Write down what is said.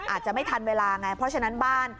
อาจจะไม่ทันเวลาไงเพราะฉะนั้นบ้าน